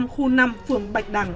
khu năm phường bạch đằng